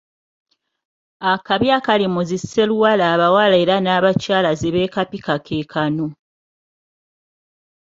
Akabi akali mu zi sseluwale abawala era n’abakyala zebeekapika keekano